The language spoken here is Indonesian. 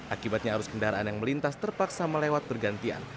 akibatnya arus kendaraan yang melintas terpaksa melewat bergantian